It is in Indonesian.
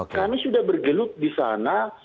kami sudah bergelut disana